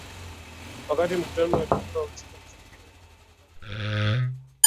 wakati mkutano wa dunia wa uchumi kufunguliwa huko davos